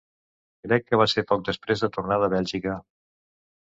Crec que va ser poc després de tornar de Bèlgica.